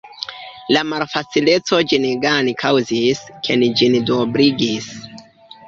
La malfacileco ĝin gajni kaŭzis, ke ni ĝin duobligis.